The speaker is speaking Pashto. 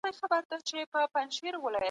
هیڅوک باید د تبعیض ښکار نه سي.